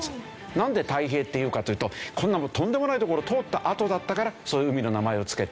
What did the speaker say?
なんで太平っていうかというとこんなとんでもない所通ったあとだったからそういう海の名前を付けた。